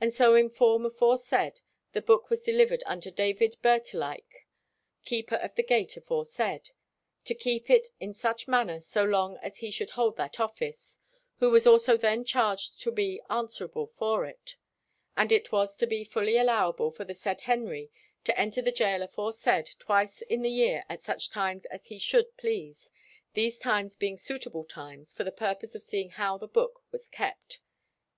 And so in form aforesaid the book was delivered unto David Bertelike, keeper of the gate aforesaid, to keep it in such manner so long as he should hold that office; who was also then charged to be answerable for it. And it was to be fully allowable for the said Henry to enter the gaol aforesaid twice in the year at such times as he should please, these times being suitable times, for the purpose of seeing how the book was kept."